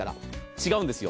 違うんですよ。